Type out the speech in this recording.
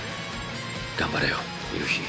頑張れよ夕日。